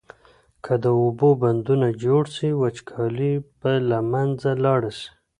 که د اوبو بندونه جوړ سي وچکالي به له منځه لاړه سي.